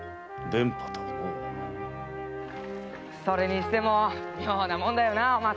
それにしても妙なもんだよなあ。